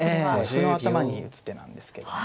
歩の頭に打つ手なんですけども。